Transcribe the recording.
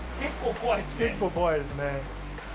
結構怖いですよね。